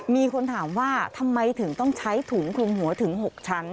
มีคนถามว่าทำไมถึงต้องใช้ถุงคลุมหัวถึง๖ชั้น